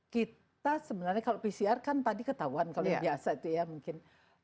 kita sebenarnya kalau pcr kan tadi ketahuan kalau yang biasa itu ya mungkin